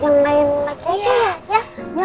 yang lain lagi aja ya